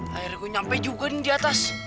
akhirnya gue nyampe juga nih diatas